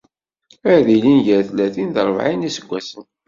Ad ilin gar tlatin d rebεin n yiseggasen.